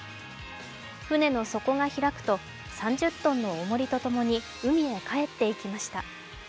船の底が開くと、３０ｔのおもりとともに海へかえっていきました。